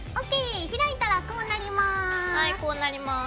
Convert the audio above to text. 開いたらこうなります。